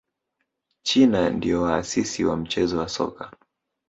china ndio waasisi wa mchezo wa soka